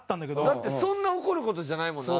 だってそんな怒る事じゃないもんな。